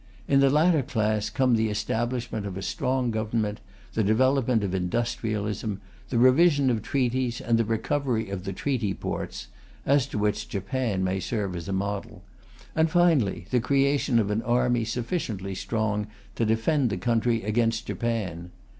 In the latter class come the establishment of a strong government, the development of industrialism, the revision of treaties and the recovery of the Treaty Ports (as to which Japan may serve as a model), and finally, the creation of an army sufficiently strong to defend the country against Japan.